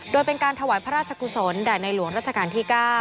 โดยเป็นการถวายพระราชกุศลแด่ในหลวงราชการที่๙